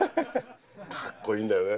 かっこいいんだよね。